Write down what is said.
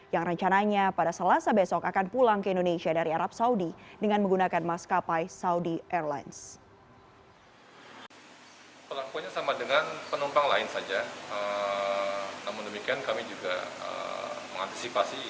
yang rencananya pada selasa besok akan pulang ke indonesia dari arab saudi dengan menggunakan maskapai saudi airlines